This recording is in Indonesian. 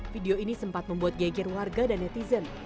video ini sempat membuat geger warga dan netizen